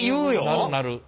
なるなる。